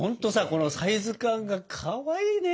このサイズ感がかわいいね！